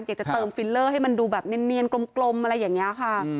จะเติมฟิลเลอร์ให้มันดูแบบเนียนกลมอะไรอย่างนี้ค่ะ